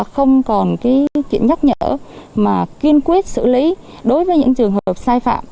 không còn nhắc nhở mà kiên quyết xử lý đối với những trường hợp sai phạm